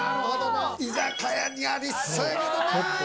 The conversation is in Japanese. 居酒屋にありそうやけどな。